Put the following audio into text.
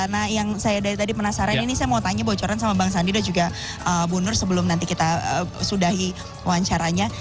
nah yang saya dari tadi penasaran ini saya mau tanya bocoran sama bang sandi dan juga bu nur sebelum nanti kita sudahi wawancaranya